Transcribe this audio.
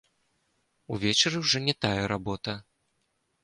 Увечары ўжо не тая работа.